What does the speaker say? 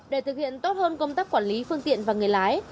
để thực hiện tốt hơn công tác quản lý phương tiện và người lái